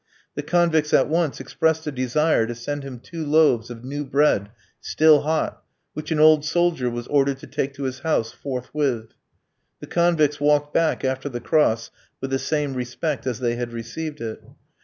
The convicts at once expressed a desire to send him two loaves of new bread, still hot, which an old soldier was ordered to take to his house forthwith. The convicts walked back after the cross with the same respect as they had received it.